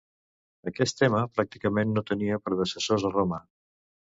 Aquest tema pràcticament no tenia predecessors a Roma.